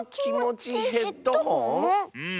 うん。